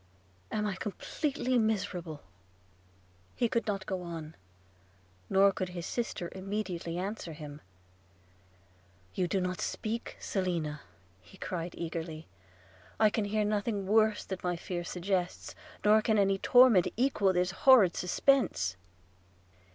am I completely miserable?' – He could not go on, nor could his sister immediately answer him – 'You do not speak, Selina,' cried he eagerly .... 'I can hear nothing worse than my fears suggest, nor can any torment equal this horrid suspense.'